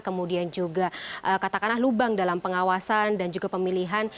kemudian juga katakanlah lubang dalam pengawasan dan juga pemilihan